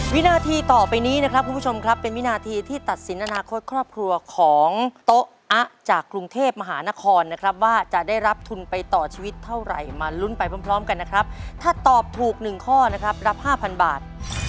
วินาทีต่อไปนี้นะครับคุณผู้ชมครับเป็นวินาทีที่ตัดสินอนาคตครอบครัวของโต๊ะอะจากกรุงเทพมหานครนะครับว่าจะได้รับทุนไปต่อชีวิตเท่าไหร่มาลุ้นไปพร้อมกันนะครับถ้าตอบถูกหนึ่งข้อนะครับรับ๕๐๐บาท